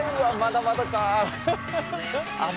まだまだか。